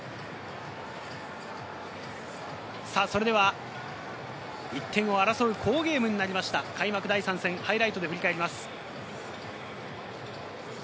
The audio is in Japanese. それでは１点を争う好ゲームになりました開幕第３戦をハイライトで振り返ります。